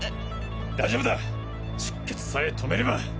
大丈夫だ出血さえ止めれば。